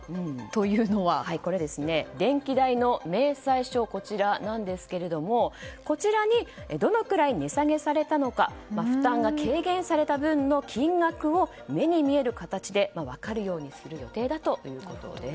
これは電気代の明細書ですがこちらにどのくらい値下げされたのか負担が軽減された分の金額を目に見える形で分かるようにする予定だということです。